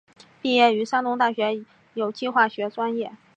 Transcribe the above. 毕业于山东大学有机化学专业。